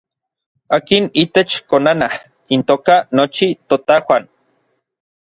Akin itech konanaj intoka nochi totajuan.